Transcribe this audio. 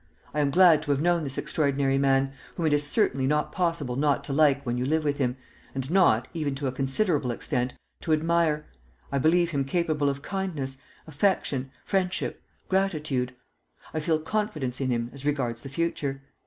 I am glad to have known this extraordinary man, whom it is certainly not possible not to like when you live with him, and not, even to a considerable extent, to admire.... I believe him capable of kindness, affection, friendship, gratitude. I feel confidence in him as regards the future.